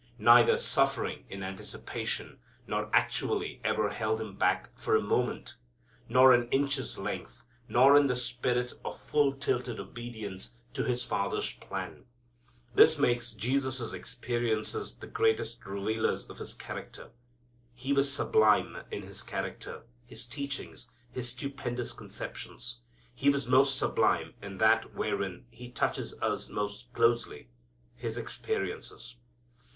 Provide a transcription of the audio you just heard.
Neither suffering in anticipation nor actually ever held Him back for a moment, nor an inch's length, nor in the spirit of full tilted obedience to His Father's plan. This makes Jesus' experiences the greatest revealers of His character. He was sublime in His character, His teachings, His stupendous conceptions. He was most sublime in that wherein He touches us most closely His experiences.